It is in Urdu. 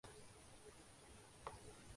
چولہے ایسے ہی ہوتے ہوں